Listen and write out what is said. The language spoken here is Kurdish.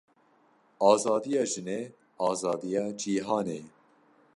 Azadiya jinê azadiya cîhanê ye.